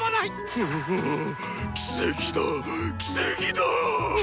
ううっ奇跡だ奇跡だあ！